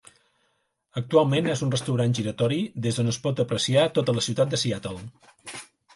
Actualment és un restaurant giratori des d'on es pot apreciar tota la ciutat de Seattle.